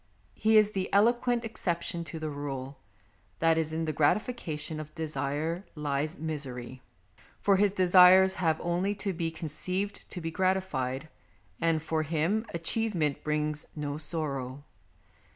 He is the eloquent excep tion to the rule that in the gratification of desire lies misery, for his desires have only to be conceived to be gratified, and for him achievement brings no sorrow.